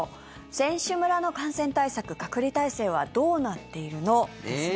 選手村の感染対策、隔離体制はどうなっているの？ですね。